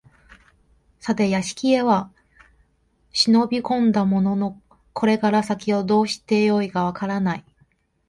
さて邸へは忍び込んだもののこれから先どうして善いか分からない